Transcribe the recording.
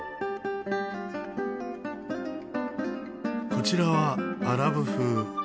こちらはアラブ風。